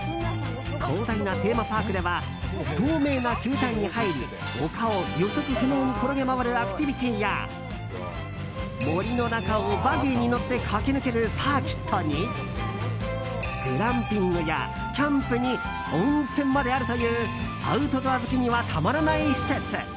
広大なテーマパークでは透明な球体に入り丘を予測不能に転げ回るアクティビティーや森の中をバギーに乗って駆け抜けるサーキットにグランピングや、キャンプに温泉まであるというアウトドア好きにはたまらない施設。